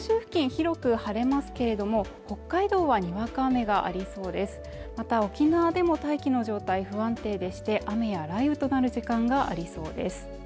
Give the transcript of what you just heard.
広く晴れますけれども北海道はにわか雨がありそうですまた沖縄でも大気の状態不安定でして雨や雷雨となる時間がありそうです